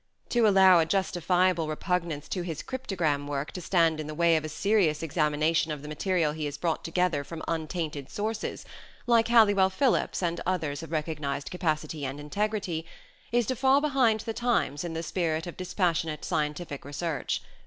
To allow a justifiable repugnance to his " cryptogram " work to stand in the way of a serious examination of the material he has brought together from untainted sources, like Halliwell Phillipps and others of recognized capacity and integrity, is to fall behind the times in the spirit of dispassionate scientific research.